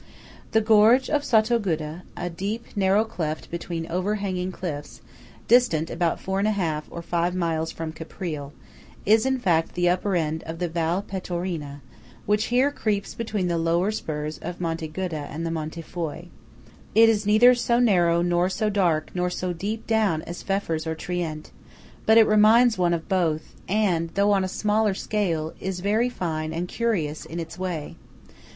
The gorge of Sottoguda–a deep, narrow cleft between overhanging cliffs, distant about four and a half, or five miles from Caprile–is in fact the upper end of the Val Pettorina, which here creeps between the lower spurs of Monte Guda and the Monte Foy. It is neither so narrow, nor so dark, nor so deep down as Pfeffers or Trient; but it reminds one of both, and, though on a smaller scale, is very fine and curious in its way.